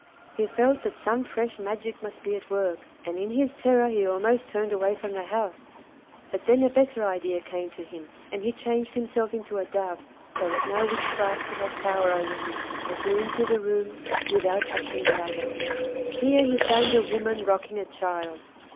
He felt that some fresh magic must be at work, and in his terror he almost turned away from the house; but then a better idea came to him, and he changed himself into a dove, so that no witchcraft could have power over him, and flew into the room without touching the ladder. Here he found a woman rocking a child.